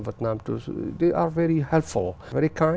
việt nam là một quốc gia rất yếu tố người dân rất tôn phối